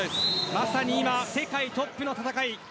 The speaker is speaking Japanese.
まさに世界トップの戦い。